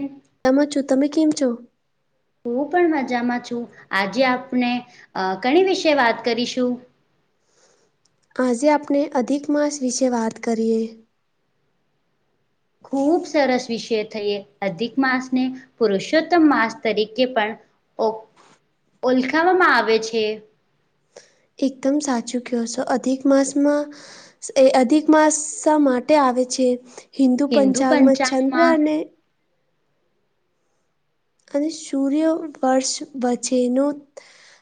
હમ. તામાં છું, તમે કેમ છો? હું પણ મજામાં છું, આજે આપણે અ કની વિશે વાત કરીશું. આજે આપણે અધિક માસ વિશે વાત કરીએ. ખૂબ સરસ. વીષે થઈએ અધિક માસને પુરુષોત્તમ માસ તરીકે પણ ઓ ઓલખાવામાં આવે છે. એકદમ સાચું કયો સો અધિક માસમાં એ અધિક માસા માટે આવે છે હિન્દુ પંચાંગમાં ચંદ્ર અને અને સૂર્યવર્ષ વચેનો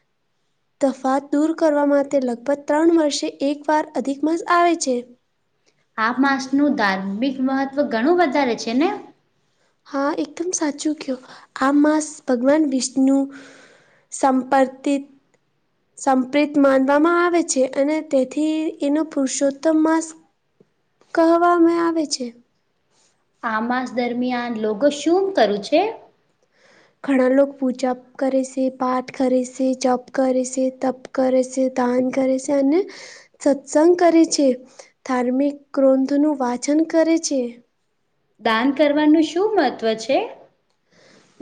[inaudible] તફાત દૂર કરવા માટે લગભગ ત્રણ વર્ષે એક વાર અધિક માસ આવે છે. આ માસનું ધાર્મિક મહત્વ ઘણું વધારે છે ને. હા એકદમ સાચું કયો આ માસ ભગવાન વિષ્ણુ સંપર્તિત સંપિત માનવામાં આવે છે અને તેથી એનો પુરુષોત્તમ માસ [inaudible] કહવામે આવેે છે. આ માસ દરમિયાન લોકો શું કરું છે? ઘણા લોક પૂજા કરે સે, પાટ કરી સે, જપ કરી સે, તપ કરે સે, દાન કરે સે અને સત્સંગ કરે છે, ધાર્મિક ગ્રંથનું વાચન કરે છે. દાન કરવાનું શું મહત્ત્વ છે?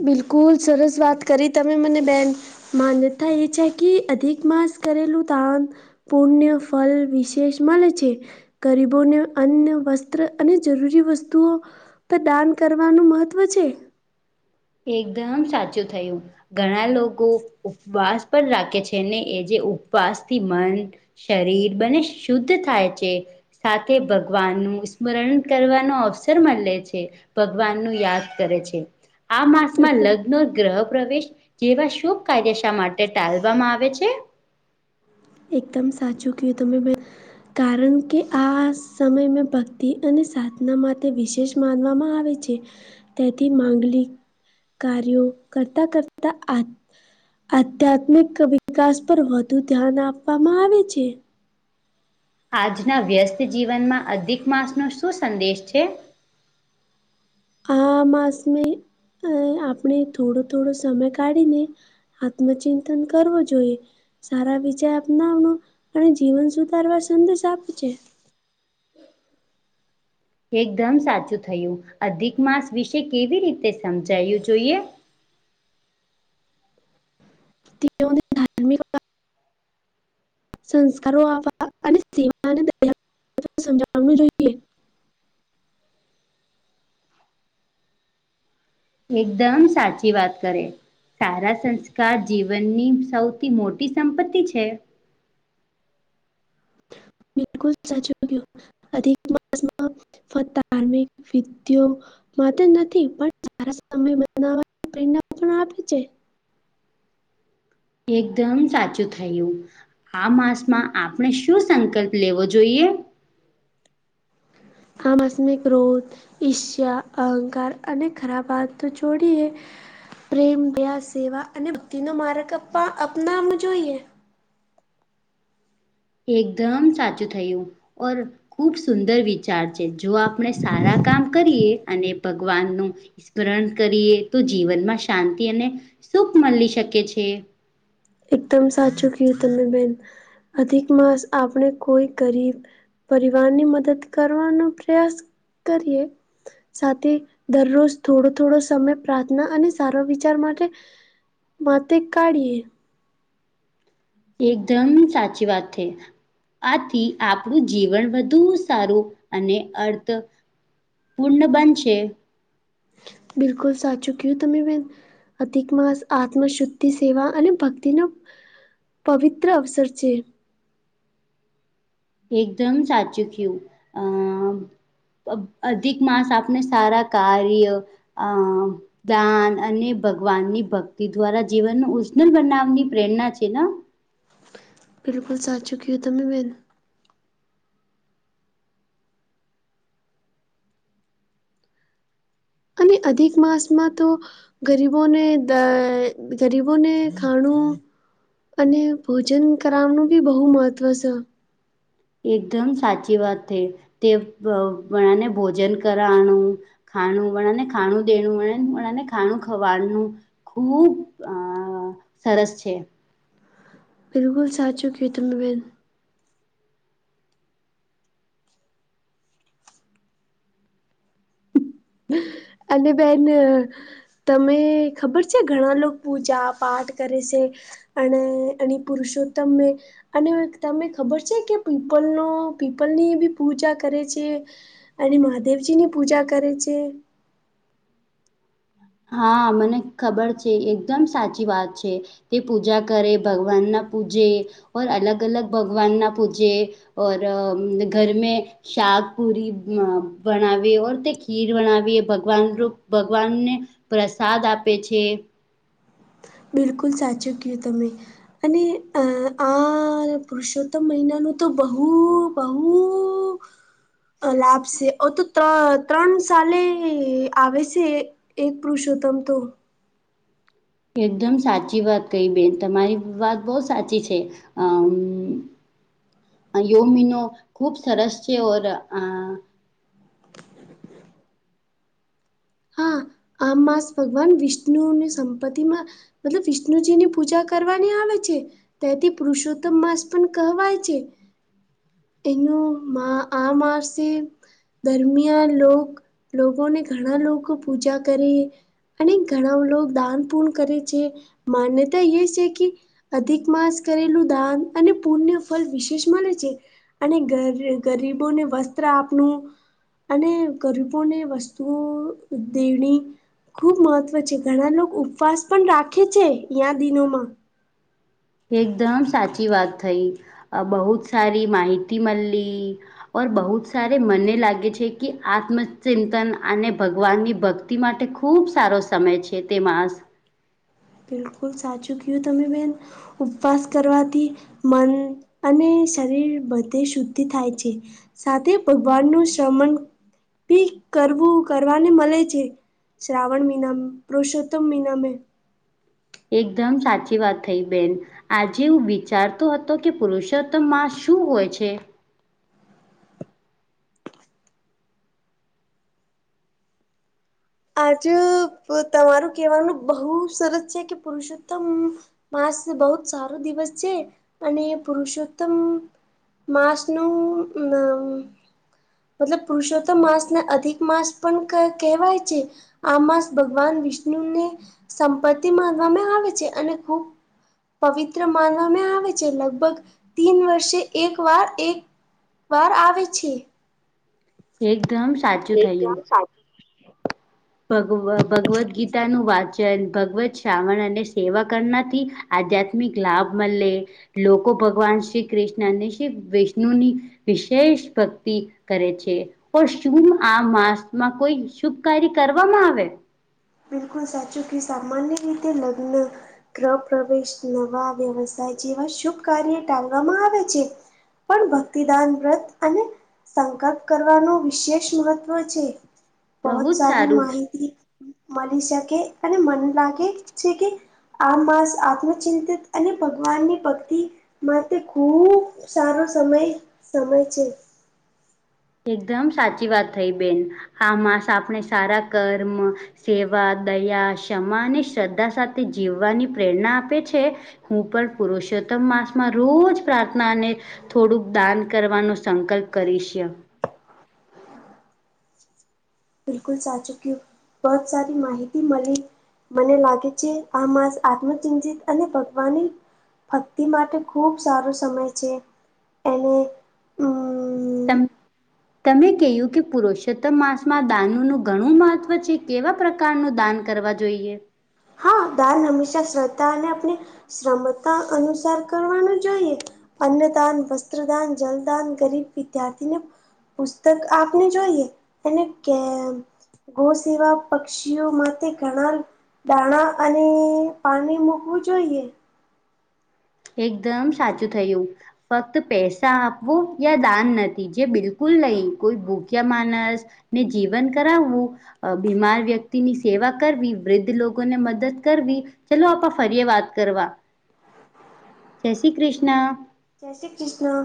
બિલકુલ સરસ વાત કરી તમે મને બેન માન્યતા એ છે કે અધિક માસ કરેલું દાન પુણ્ય ફલ વિશેષ મળે છે. ગરીબોને અન્ન વસ્ત્ર અને જરૂરી વસ્તુઓ પર દાન કરવાનું મહત્ત્વ છે એકદમ સાચું થયું ઘણા લોકો ઉપવાસ પણ રાખે છે ને એ જે ઉપવાસથી મન શરીર બને શુદ્ધ થાય છે. સાથે ભગવાનનું સ્મરણ કરવાનો અવસર મળે છે. ભગવાન નું યાદ કરે છે આ માસમાં લગ્ન નો ગ્રહ પ્રવેશ જેવા શુભ કાર્યશા માટે ટાલવામાં આવે છે. એકદમ સાચું કું તો મેં. કારણ કે આ સમય મેં ભક્તિ અને સાધના માટે વિશેષ માનવામાં આવે છે તેથી માંગલીક કાર્યો કરતા કરતા આ આધ્યાત્મિક વિકાસ પર વધુ ધ્યાન આપવામાં આવે છે. આજના વ્યસ્ત જીવનમાં અધિક માસનો શું સંદેશ છે? આ માસમે અ આપણે થોડો થોડો સમય કાઢીને આત્મચિંતન કરવો જોઈએ. સારા વિચાર અપનાવનો અને જીવન સુધારવા સંદેશ આપજ. એકદમ સાચું થયું અધિક માસ વિશે કેવી રીતે સમજાયું જોઈએ. [unintelligible] સંસ્કારો આપવા અને સેવાને સમજવા જોઈએ. [inaudible] એકદમ સાચી વાત કરે. સારા સંસ્કાર જીવનની સૌથી મોટી સંપત્તિ છે. બિલકુલ સાચો મા ધાર્મિક વિઓ માત્ર નથી પણ સારા સમય બનાવાની પ્રેરણા પણ આપે છે. એકદમ સાચું થયું. આ માસમાં આપણે શું સંકલ્પ લેવો જોઈએ? આમસમીક રોું ઈષ્ય અહંકાર અને ખરાબ વાત તો છોડીએ પ્રેમ સેવા અને બ ન મારક અપનામ જોઈએ. એકદમ સાચું થયું ઓર ખુબ સુંદર રીત વિચાર છે જો આપણે સારા કામ કરીએ અને ભગવાન નું સ્મરણ કરીએ તો જીવનમાં શાંતિ અને સુખ મળી શકે છે. એકદમ સાચું કું તમે બેન અધિક માસ આપણે કોઈ ગરીબ પરિવારની મદદ કરવાનો પ્રયાસ કરીએ સાથે દરરોજ થોડો થોડો સમય પ્રાર્થના અને સારા વિચાર માટે માથે કાઢયએ એકદમ સાચી વાત છે. આથી આપણું જીવન વધુ સારું અને અર્થ પૂર્ણ બંનશે. બિલકુલ સાચું તોમે બેન. અધિકમાંસ આત્મશુદ્ધિ સેવા અને ભક્તિનો પવિત્ર અવસર છે. એકદમ સાચું કયું અ અધિક માસ આપને સારા કાર્ય અ દાન અને ભગવાનની ભક્તિ દ્વારા જીવન ન ઉજર બનાવવાની પ્રેરણા છે. બિલકુલ સાચુકીય તમે બેન. અને અધિક માસમાં તો ગરીબોને ગરીબોને ખાણું અને ભોજન કરાવનું બી બહુ મહત્ત્વ છે. એકદમ સાચી વાત છે તે મણાને ભોજન કરવાનુ. ખાણું વળને ખાણું દેનું વળને ખાણું ખવાડનું ખુબ અ સરસ છે. બિલકુ સાચુ કીધું મેન. અને બેન તમે ખબર છે ઘણા લોકો પૂજા પાઠ કરે છે. અને અને પુરુષોત્તમ અને તમે ખબર છે કે પીપલનો પીપલની બી પૂજા કરે છે. અને મહાદેવજી ની પૂજા કરે છે. હા મને ખબર છે એકદમ સાચી વાત છે. તે પૂજા કર ભગવાન ના પુજે ઓર અલગ અલગ ભગવાનના પુજે ઓર ઘર મે શાક પુરી બનાવીએ ઓર તે ખીર બનાવીએ ભગવાન ભગવાનને પ્રસાદ આપે છે. બિલકુલ સાચું કીધું તમે. અને અ આ પુરુષોત્તમ મહિનાનું તો બહું બહું લાભ છે ઓ તો ત્રણ સાલે આવે છે. એક પુરુષોત્તમ તો એકદમ સાચી વાત કહી બેન તમારી વાત બહું સાચી છે. અમ યોમિનો ખૂબ સરસ છે ઓર અ આમ માસ ભગવાન વિષ્ણુ ની સંપત્તિમાં મતલબ વિષ્ણુજી ની પૂજા કરવાની આવે છે. તેથી પુરુષોત્તમ માસ પણ કહેવાય છે. તેનું આ માસે દરમિયાન લો લોકોને ઘણા લોકો પૂજા કરે અને ઘણા લોકો દાન પૂણ કરે છે માન્યતા એ છે કે અધિક માસ કરેલું દાન અને પુણ્ય ફલ વિશેષ માને છે. અને ગ ગરીબોને વસ્ત્ર આપનું અને ગરીબોને વસ્તુઓ દેણી ખુબ મહત્વ છે ઘણા લોકો ઉપવાસ પણ રાખે છે આ દિનોમાં. એકદમ સાચી વાત થઈ બહુત સારી માહિતી મળી ઓર બહુ જ સાર મને લાગે છે કે આત્મચિંતન અને ભગવાનની ભક્તિ તી માટે ખૂબ સારો સમય છે તે માસ. બિલકુલ સાચું કયું તમે બેન ઉપવાસ કરવાથી મન અને શરીર બધે શુદ્ધિ થાય છે. સાથે ભગવાનનું શમન ભી કરવું કરવાને મળે છે. શ્રાવણ મહિના પુરુષોત્તમ મહિનામે એકદમ સાચી વાત થઈ બેન. આજે એવું વિચારતો હતો કે પુરુષોત્તમ માસ શું હોય છે. આજ તમારું કહેવાનું બહુ સરસ છે કે પુરુષોત્તમ માસ બહુ જ સારો દિવસ છે અને પુરુષોત્તમ માસનું મતલબ પુરુષો તો માંસ ને અધિક માંસ પણ કહેવાય છે. આ માસ ભગવાન વિષ્ણુને સંપત્તિ માનવામાં આવે છે અને ખૂબ પવિત્ર માનવામાં આવે છે લગભગ તીન વર્ષે એક વાર એક બાર આવે છે. એકદમ સાચું થયું. ભગ ભગવદગીતાનું વાચન ભગવત શ્રાવણ અને સેવા કરનાથી આધ્યાત્મિક લાભ મળે લોકો ભગવાન શ્રી કૃષ્ણ અને શ્રી વિષણુની વિશેષ ભક્તિ કરે છે પણ શું આ માસમાં કોઈ શુભ કાર્ય કરવામાં આવે બિલકુલ સાચુખ સમાન્ય ગીતે લગ્ન ગ્રહ પ્રવેશ નવા વ્યવસાય જેવા શુભ કાર્ય ટાલવામાં આવે છે. પણ ભક્તિદાન વ્રત અને સંકલ્પ કરવાનું વિશેષ મહત્વ છે બહત બહુ જ સારી સારું માહિતી મળી શકે અને મને લાગે છે, કે આ માસ આત્મચિંતિત અને ભગવાન ની ભક્તિ માટે ખુબ સારો સમય સમય છે. એકદમ સાચી વાત થઈ બેન આા મામાંસ આપણે સારા કર્મ સેવા દયા ક્ષમા અને શ્રદ્ધા સાથે જીવવાની પ્રેરણા આપે છે. હું પણ પુરુષોત્તમ માસમાં રોજ પ્રાર્થના અને થોડુંક દાન કરવાનો સંકલ્પ કરીશ બિલકુલ સાચુકી બહુત સારી માહિતી મળલી મને લાગે છે આ માસ આત્મચિંતિત અને ભગવાની ભક્તિ માટે ખૂબ સારો સમય છે, એને અમ તમ તમે કહ્યું કે પુરષોત્તમ માસમાં દાનુ નું ઘણું મહત્વ છે, કેવા પ્રકાર કાર નું દાન કરવા જોઈએ. દાન હંમેશા શ્રદ્ધા અને આપણે શ્રમતા અનુસાર કરવાનું જોઈએ. અન્નદાન વસ્ત્રદાન જલદાન ગરીબ વિદ્યાર્થીને પુસ્તક આપને જોઈએ અનેને કેમ ગૌસે એવા પક્ષીઓ માટે ઘણા દાણા અને પાણી મૂકવું જોઈએ. એકદમ સાચું થયું ફક્ત પૈસા આપવો યા દાન નથી જે બિલકુલ નહી કોઈ ભૂખ્ય માણસ ને જીવન કરાવવુ અ બીમાર વ્યક્તિની સેવા કરવી વૃદ્ધ લોકોને મદદ કરવી ચલો આપા ફરીએ વાત કરવા જય શ્રી કૃષ્ણ. જૈસે કૃષ્ણ